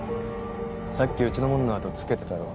さっきうちの者の後つけてたろ？